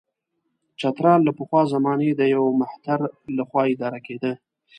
چترال له پخوا زمانې د یوه مهتر له خوا اداره کېده.